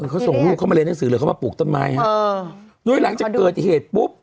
เขาส่งลูกเข้ามาเรียนหน้าสื่อเข้ามาปลูกต้นไม้ฮะโดยหลังจะเกิดอีเหตุปุ๊บ